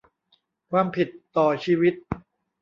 ความผิดต่อชีวิต